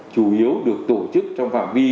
chủ yếu được tổ chức trong phạm vi